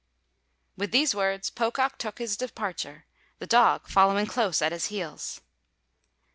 With these words Pocock took his departure, the dog following close at his heels.